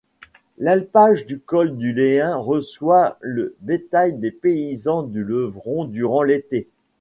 L'alpage du col du lein reçoit le bétail des paysans du Levron durant l'été.